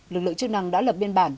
lực lượng chức năng đã lập biên bản